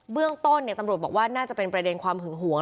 เรื่องต้นตำรวจบอกว่าน่าจะเป็นประเด็นความหึงหวง